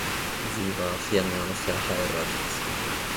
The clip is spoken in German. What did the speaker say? Sie war viermal verheiratet.